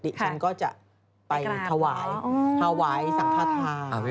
ดิฉันก็จะไปทะวายทะวายสังฆาตา